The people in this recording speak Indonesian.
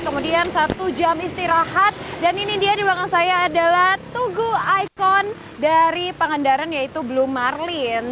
kemudian satu jam istirahat dan ini dia di belakang saya adalah tugu ikon dari pangandaran yaitu blue marlin